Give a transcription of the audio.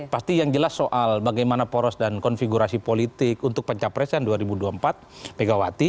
pasti yang jelas soal bagaimana poros dan konfigurasi politik untuk pencapresan dua ribu dua puluh empat megawati